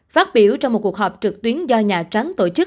phát biểu trong một cuộc họp trực tuyến do nhà trắng tổ chức